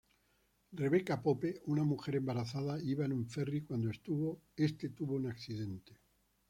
Rebeca Pope, una mujer embarazada, iba en un ferry cuando este tuvo un accidente.